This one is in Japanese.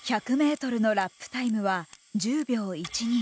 １００ｍのラップタイムは１０秒１２。